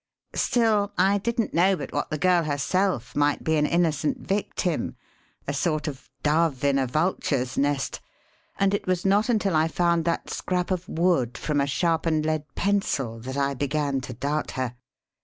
Still, I didn't know but what the girl herself might be an innocent victim a sort of dove in a vulture's nest and it was not until I found that scrap of wood from a sharpened lead pencil that I began to doubt her.